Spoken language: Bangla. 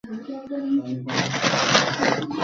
তা ছাড়া, সবসুদ্ধ জড়াইয়া রমেশকে তাহার ভালো লাগে নাই।